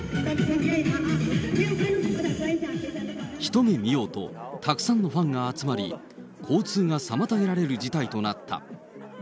一目見ようと、たくさんのファンが集まり、交通が妨げられる事態となった。